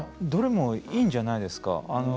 どれもいいじゃないですか。